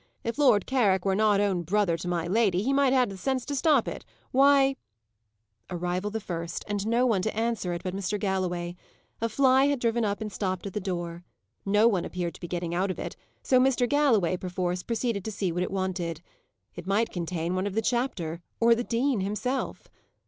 If Lord Carrick were not own brother to my lady, he might have the sense to stop it. Why " Arrival the first, and no one to answer it but Mr. Galloway! A fly had driven up and stopped at the door. No one appeared to be getting out of it, so Mr. Galloway, perforce, proceeded to see what it wanted. It might contain one of the chapter, or the dean himself!